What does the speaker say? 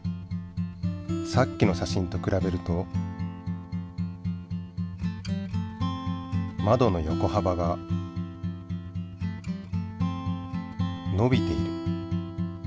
さっきの写真とくらべるとまどの横はばがのびている。